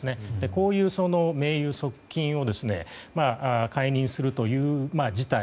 こういう盟友、側近を解任するという事態。